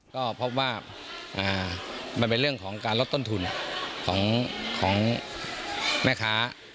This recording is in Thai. ก็พบว่ามันเป็นเรื่องของการลดต้นทุนของแม่ค้า